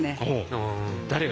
誰が？